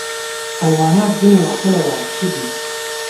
حیوانات ځینې وختونه وحشي دي.